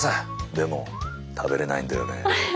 「でも食べれないんだよね」。